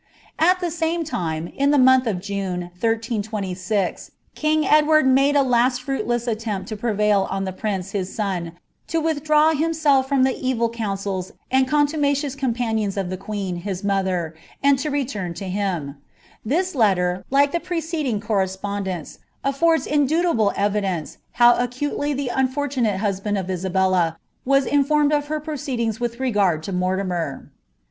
"' At the same time, in the month of June, 1336, king Edward aaia « fruitless attempt to prevail on the prince, his aon, to wiihdnw hi* ^1 'Ryn ItABBLLA OF FRAHCB. 149 bIT froiii the evil counsels and contumacious companions of the queen, lis mother, and to return to him. This letter, like the preceding cor Bspondence, affords indubitable evidence how accurately the nnfor mate husliand of Isabella was informed of her proceedings with regard » Mortimer.